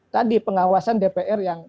tadi pengawasan dpr yang